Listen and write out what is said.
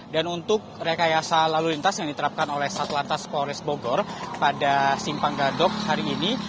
dan untuk rekayasa lalu lintas yang diterapkan oleh satu lantas polres bogor pada simpang gadok hari ini